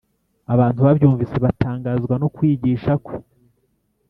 Abantu babyumvise batangazwa no kwigisha kwe